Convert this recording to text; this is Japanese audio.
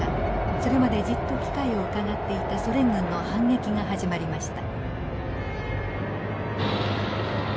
それまでじっと機会をうかがっていたソ連軍の反撃が始まりました。